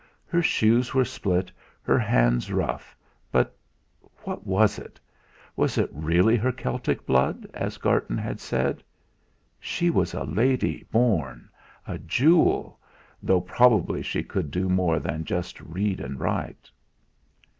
Her shoes were split, her hands rough; but what was it? Was it really her Celtic blood, as Garton had said? she was a lady born, a jewel, though probably she could do no more than just read and write!